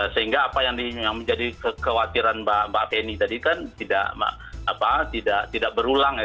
sehingga apa yang menjadi kekhawatiran mbak feni tadi kan tidak berulang ya